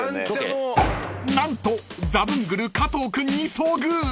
［何とザブングル加藤君に遭遇］